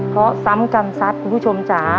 เพราะซ้ำกรรมสัตว์คุณผู้ชมจ๊ะ